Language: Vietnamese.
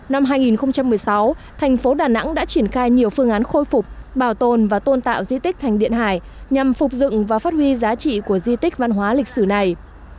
năm hai nghìn một mươi sáu thành phố đà nẵng đã triển khai nhiều phương án khôi phục bảo tồn và tôn tạo di tích thành điện hải nhằm phục dựng và phát huy giá trị của di tích văn hóa lịch sử này